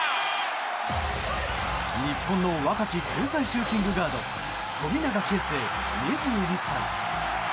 日本の若き天才シューティングガード富永啓生選手、２２歳。